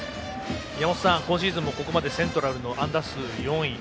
宮本さん、今シーズンもここまでセントラルの安打数４位。